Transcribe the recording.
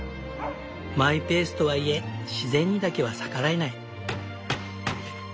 マイペースとはいえ自然にだけは逆らえない。